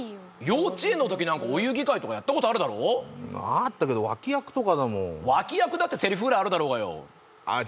幼稚園の時なんかお遊戯会とかやったことあるだろあったけどわき役とかだもんわき役だってセリフぐらいあるだろうがよああ